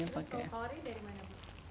tau kaori dari mana